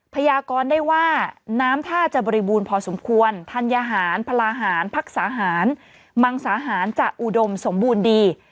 พยากรได้ว่าน้ำท่าจะบริบูรณ์พอสมควรธัญหารพลาหารพักษาหารมังสาหารจะอุดมสมบูรณ์ดี